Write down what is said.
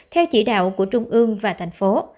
theo chỉ đạo của trung ương và thành phố